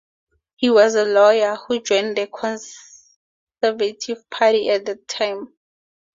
He was a lawyer who joined the Conservative party at that time.